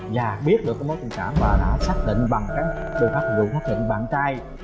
và biết được mối tình trạng và đã xác định bằng các đồ phát dụng xác định bạn trai